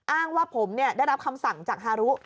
อ้างว่าผมได้รับคำสั่งจากฮารุ